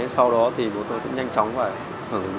sau đó thì bố tôi cũng nhanh chóng và hưởng ứng